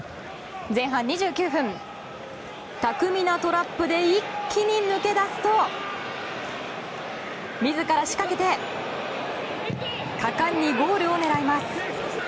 前半２９分、巧みなトラップで一気に抜け出すと自ら仕掛けて果敢にゴールを狙います。